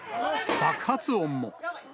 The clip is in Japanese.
爆発音も。